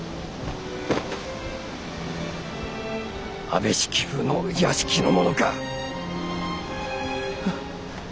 安部式部の屋敷の者か。